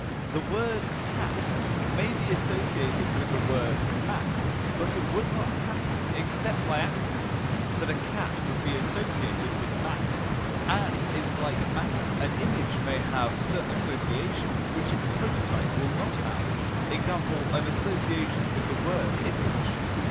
The word "cat" may be associated with the word "mat," but it would not happen except by accident that a cat would be associated with a mat. And in like manner an image may have certain associations which its prototype will not have, e.g. an association with the word "image."